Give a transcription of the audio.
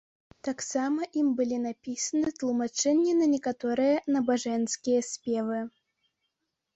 Таксама ім былі напісаны тлумачэнні на некаторыя набажэнскія спевы.